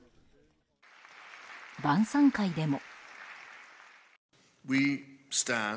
晩さん会でも。